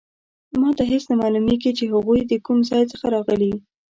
ما ته هیڅ نه معلومیږي چې هغوی د کوم ځای څخه راغلي